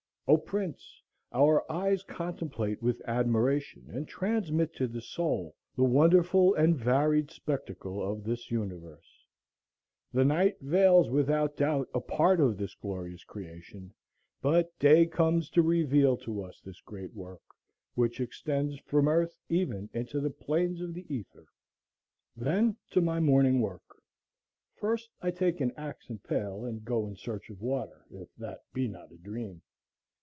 "O Prince, our eyes contemplate with admiration and transmit to the soul the wonderful and varied spectacle of this universe. The night veils without doubt a part of this glorious creation; but day comes to reveal to us this great work, which extends from earth even into the plains of the ether." Then to my morning work. First I take an axe and pail and go in search of water, if that be not a dream.